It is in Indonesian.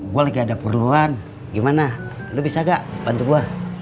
gue lagi ada perluan gimana lo bisa gak bantu gua